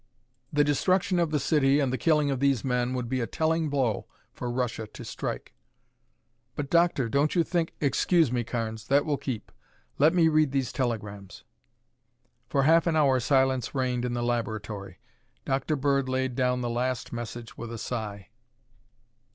The destruction of the city and the killing of these men would be a telling blow for Russia to strike." "But, Doctor, you don't think " "Excuse me, Carnes; that will keep. Let me read these telegrams." For half an hour silence reigned in the laboratory. Dr. Bird laid down the last message with a sigh.